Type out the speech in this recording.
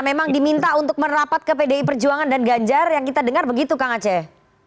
memang diminta untuk merapat ke pdi perjuangan dan ganjar yang kita dengar begitu kang aceh